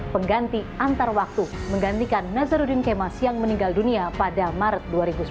pengganti antar waktu menggantikan nazarudin kemas yang meninggal dunia pada maret dua ribu sembilan belas